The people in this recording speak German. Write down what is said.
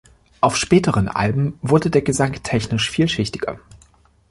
Auf späteren Alben wurde der Gesang technisch vielschichtiger.